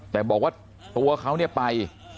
แต่บอกว่าตัวเขาไป